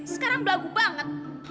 sekarang belagu banget